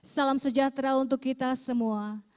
salam sejahtera untuk kita semua